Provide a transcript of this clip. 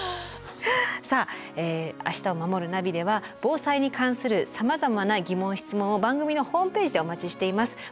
さあ「明日をまもるナビ」では防災に関するさまざまな疑問・質問を番組のホームページでお待ちしています。